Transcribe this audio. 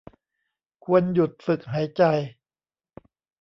ควรหยุดฝึกหายใจ